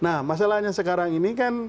nah masalahnya sekarang ini kan